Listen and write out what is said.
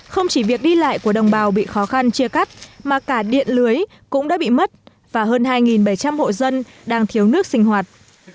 không chỉ việc đi lại của đồng bào bị khó khăn chia cắt mà cả điện lưới cũng đã bị mất và hơn hai bảy trăm linh hộ dân đang thiếu nước sinh hoạt